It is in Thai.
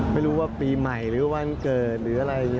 ไม่รู้ว่าปีใหม่หรือวันเกิดหรืออะไร